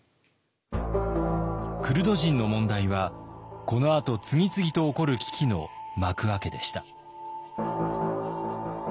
クルド人の問題はこのあと次々と起こる危機の幕開けでした。